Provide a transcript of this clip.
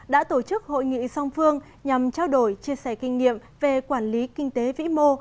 đã tổ chức hội nghị song phương nhằm trao đổi chia sẻ kinh nghiệm về quản lý kinh tế vĩ mô